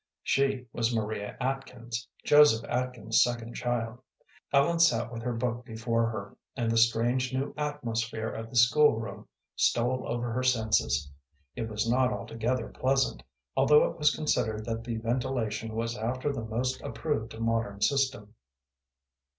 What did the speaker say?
She was Maria Atkins, Joseph Atkins's second child. Ellen sat with her book before her, and the strange, new atmosphere of the school room stole over her senses. It was not altogether pleasant, although it was considered that the ventilation was after the most approved modern system.